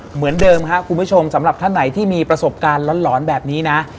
เหมือนเดิมครับคุณผู้ชมสำหรับท่านไหนที่มีประสบการณ์หลอนแบบนี้นะ